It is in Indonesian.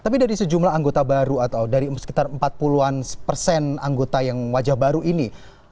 tapi dari sejumlah anggota baru atau dari sekitar empat puluh an persen anggota yang wajah baru ini